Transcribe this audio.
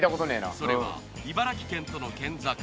それは茨城県との県境